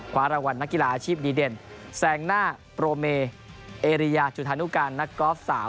คว้ารางวัลนักกีฬาอาชีพดีเด่นแซงหน้าโปรเมเอเรียจุธานุการณ์นักกอล์ฟสาว